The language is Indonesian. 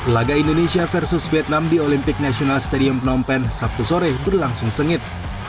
laga indonesia versus vietnam di olympic national stadium phnom penh sabtu sore berlangsung sengit